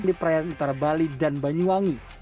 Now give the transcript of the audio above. di prairan utara bali